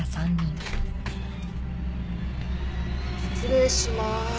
失礼しまーす。